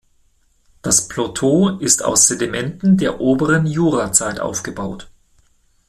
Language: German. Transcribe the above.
Das Plateau ist aus Sedimenten der oberen Jurazeit aufgebaut.